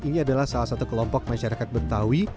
ini adalah salah satu kelompok masyarakat betawi